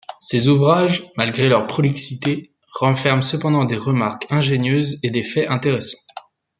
Ses ouvrages, malgré leur prolixité, renferment cependant des remarques ingénieuses et des faits intéressants.